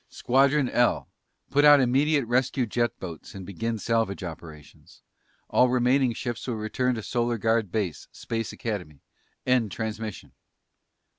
"... Squadron L! Put out immediate rescue jet boats and begin salvage operations. All remaining ships will return to Solar Guard base, Space Academy. End transmission!"